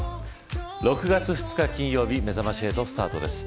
６月２日金曜日めざまし８スタートです。